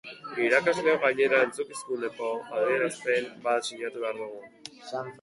Irakasleok, gainera, erantzukizunpeko adierazpen bat sinatu behar dugu.